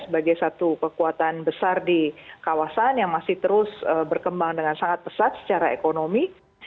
sebagai satu kekuatan besar di kawasan yang masih terus berkembang dengan sangat pesat secara ekonomi